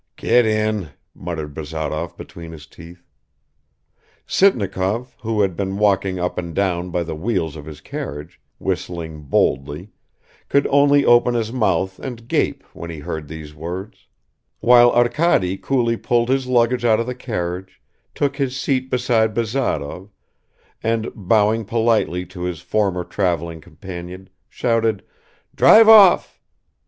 "Get in," muttered Bazarov between his teeth. Sitnikov, who had been walking up and down by the wheels of his carriage, whistling boldly, could only open his mouth and gape when he heard these words; while Arkady coolly pulled his luggage out of the carriage, took his seat beside Bazarov, and, bowing politely to his former traveling companion, shouted, "Drive off!"